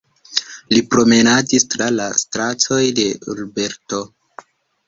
Li promenadis tra la stratoj de l'urbeto.